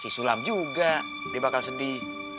si sulam juga dia bakal sedih